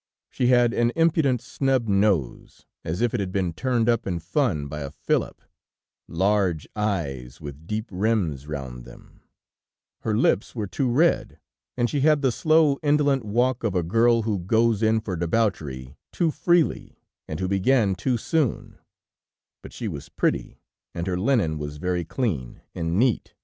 She had an impudent, snub nose, as if it had been turned up in fun by a fillip, large eyes with deep rims round them; her lips were too red, and she had the slow, indolent walk of a girl who goes in for debauchery too freely and who began too soon, but she was pretty, and her linen was very clean and neat.